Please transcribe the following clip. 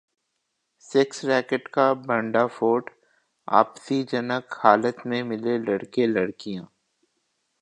sex racket का भंडाफोड़, आपत्तिजनक हालत में मिले लड़के-लड़कियां